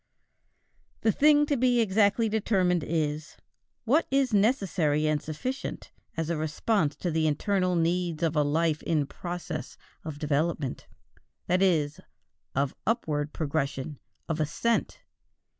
The thing to be exactly determined is: what is necessary and sufficient as a response to the internal needs of a life in process of development, that is, of upward progression, of ascent?